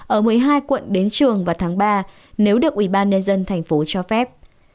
ở một mươi hai quận đến trường vào tháng ba nếu được ủy ban nhân dân thành phố cho phép